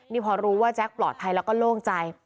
นี่พอรู้ว่าแจ๊คปลอดภัยแล้วก็โล่งใจ